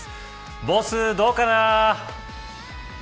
ボス、どうかな。